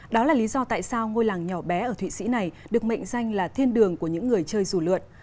đó là lý do tại sao ngôi làng nhỏ bé ở thụy sĩ này được mệnh danh là thiên đường của những người chơi dù lượn